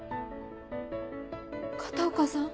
片岡さん。